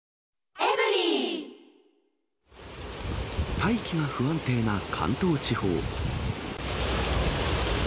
大気が不安定な関東地方。